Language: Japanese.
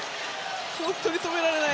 本当に止められない！